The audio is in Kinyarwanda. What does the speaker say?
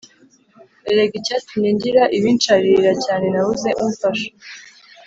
erega icyatumye ngira ibinsharirira cyane nabuze umfasha